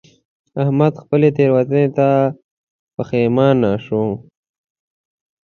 احمد خپلې تېروتنې ته پښېمانه شو.